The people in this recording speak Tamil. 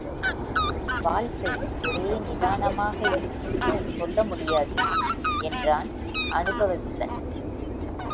வாழ்க்கை ஒரே நிதானமாக இருக்கும்னு சொல்ல முடியாது என்றான் அனுபவஸ்தன்.